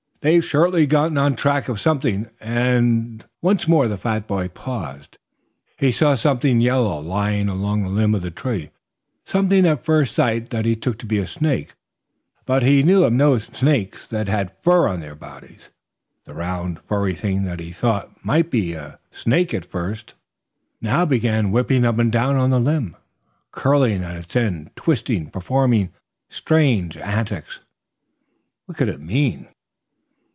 They've surely gotten on track of something. And " Once more the fat boy paused. He saw something yellow lying along a limb of the tree, something at first sight that he took to be a snake. But he knew of no snakes that had fur on their bodies. The round, furry thing that he thought might be a snake at first now began whipping up and down on the limb, curling at its end, twisting, performing strange antics. What could it mean?